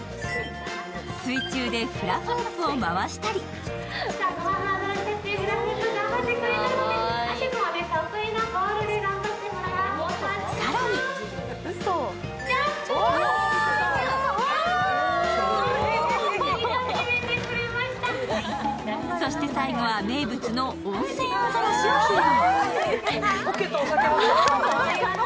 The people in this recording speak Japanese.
水中でフラフープを回したり更にそして最後は、名物の温泉アザラシを披露。